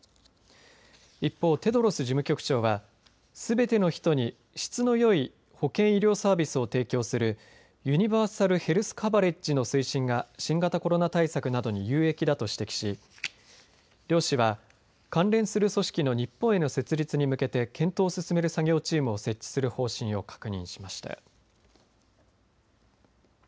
一方、テドロス事務局長はすべての人に質のよい保健医療サービスを提供するユニバーサル・ヘルス・カバレッジの推進が新型コロナ対策などに有益だと指摘し両氏は関連する組織の日本への設立に向けて検討を進める作業チームを設置する方針を確認しました。